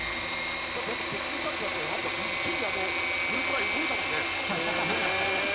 だってやっぱ、結婚したってなったら、やっぱ一気に、グループＬＩＮＥ、動いたもんね。